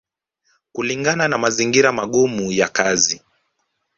kulingana na mazingira magumu ya kazi